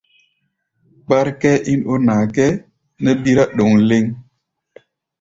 Kpár kʼɛ́ɛ́ ín ó naa kʼɛ́ɛ́ nɛ́ bírá ɗoŋ lɛ́ŋ.